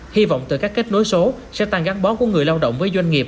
hy vọng từ các kết nối số sẽ tăng gắn bó của người lao động với doanh nghiệp